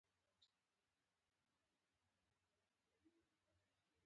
_مور دې بلا نومېږي؟